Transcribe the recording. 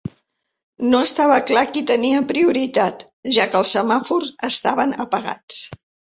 No estava clar qui tenia prioritat, ja que els semàfors estaven apagats.